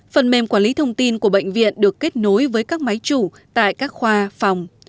phần mềm quản lý thông tin của bệnh viện được kết nối với các máy chủ tại các khoa phòng